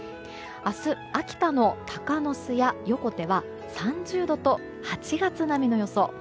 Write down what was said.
明日、秋田の鷹巣や横手は３０度と８月並みの予想。